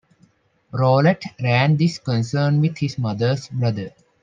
Rolette ran this concern with his mother's brother.